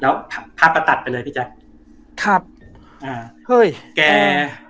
แล้วภาพก็ตัดไปเลยพี่แจ๊คครับอ่าเฮ้ยแก